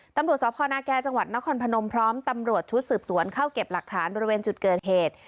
ตำรวจสพนาแก่จังหวัดนครพนมพร้อมตำรวจชุดสืบสวนเข้าเก็บหลักฐานบริเวณจุดเกิดเหตุ